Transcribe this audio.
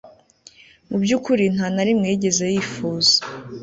mu by'ukuri nta na rimwe yigeze yifuza